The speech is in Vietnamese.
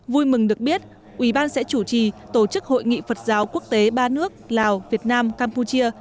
vui mừng được biết ủy ban sẽ chủ trì tổ chức hội nghị phật giáo quốc tế ba nước lào việt nam campuchia